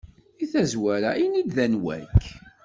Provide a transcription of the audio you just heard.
Deg tazwara ini-d anwa-k!